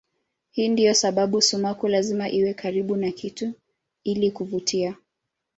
Hii ndiyo sababu sumaku lazima iwe karibu na kitu ili kuvutia.